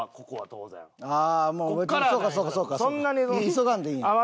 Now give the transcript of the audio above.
急がんでいいんや。